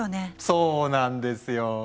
そうなんですよ。